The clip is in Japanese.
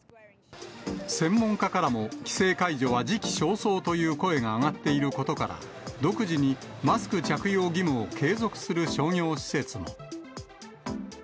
専門家からも規制解除は時期尚早という声が上がっていることから、独自にマスク着用義務を継続する商業施設も。